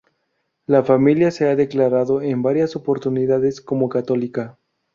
La familia se ha declarado en varias oportunidades como católica.